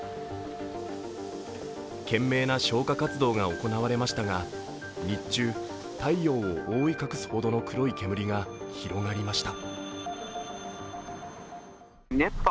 懸命な消火活動が行われましたが日中、太陽を覆い隠すほどの黒い煙が広がりました。